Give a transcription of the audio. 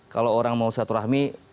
kalau orang mau selatu rahmi